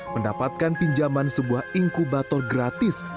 mendapatkan pinjaman sebuah inkubator gratis